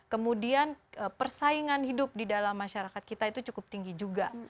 kemudian persaingan hidup di dalam masyarakat kita itu cukup tinggi juga